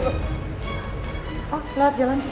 oh lewat jalan situ